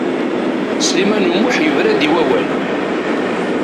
Sliman U Muḥ yebra-d i wawal.